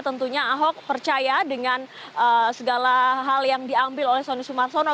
tentunya ahok percaya dengan segala hal yang diambil oleh sonny sumarsono